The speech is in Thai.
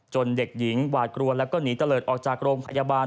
จนเด็กหญิงหวาดกลัวและหนีเตลิดออกจากโรงพยาบาล